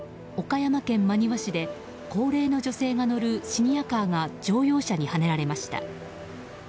岡山県真庭市で高齢の女性が乗るシニアカーが乗用車にはねられました。